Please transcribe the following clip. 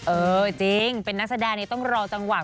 เออจริงเป็นนักแสดงนี้ต้องรอจังหวะ